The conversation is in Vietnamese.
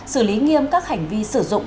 xử lý nghiêm các hành vi sử dụng